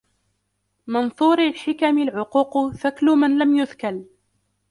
مَنْثُورِ الْحِكَمِ الْعُقُوقُ ثَكْلُ مَنْ لَمْ يُثْكَلْ